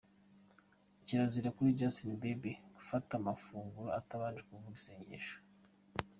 Kirazira kuri Justin Bieber gufata amafunguro atabanje kuvuga isengesho.